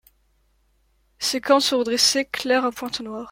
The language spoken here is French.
Ses cornes sont redressées, claires à pointes noires.